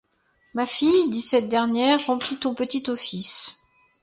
Ma fille, dit cette dernière, remplis ton petit office.